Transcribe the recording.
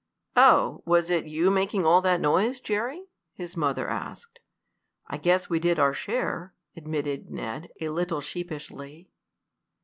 "Oh, was it you making all the noise, Jerry?" his mother asked. "I guess we did our share," admitted Ned, a little sheepishly.